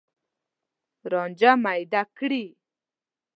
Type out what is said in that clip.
رانجه میده کړي